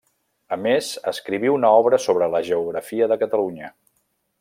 A més escriví una obra sobre la geografia de Catalunya.